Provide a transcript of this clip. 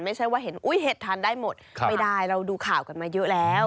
ไม่ใช่ว่าเห็นอุ๊ยเห็ดทานได้หมดไม่ได้เราดูข่าวกันมาเยอะแล้ว